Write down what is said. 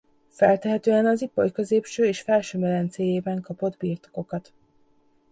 Feltehetően az Ipoly középső és felső medencéjében kapott birtokokat.